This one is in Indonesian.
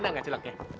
enak gak celoknya